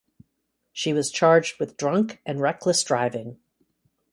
She was charged with drunk and reckless driving.